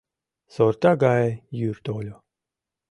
Сорта гае йӱр тольо.